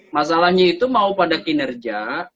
masalahnya itu mau pada kinerja